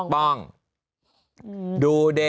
ป้องดูดิ